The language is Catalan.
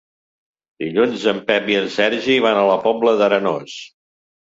Dilluns en Pep i en Sergi van a la Pobla d'Arenós.